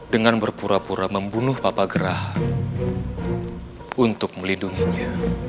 dengan berpura pura membunuh papa gerah untuk melindunginya